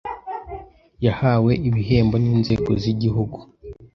yahawe ibehembo n’inzego z’igihugu